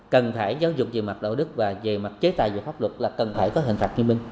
cần phải giáo dục về mặt đạo đức và về mặt chế tài về pháp luật là cần phải có hình phạt nghiêm minh